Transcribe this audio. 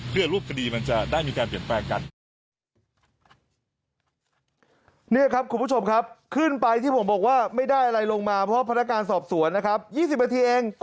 เพื่อรูปคดีมันจะได้มีการเปลี่ยนแปลงกัน